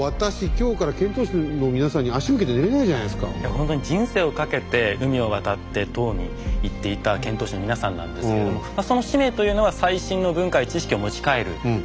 本当に人生をかけて海を渡って唐に行っていた遣唐使の皆さんなんですけれどその使命というのは最新の文化や知識を持ち帰ることでした。